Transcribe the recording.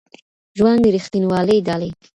ژوند د ریښتینولۍ ډالۍ